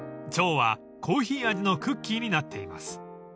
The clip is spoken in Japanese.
［チョウはコーヒー味のクッキーになっています］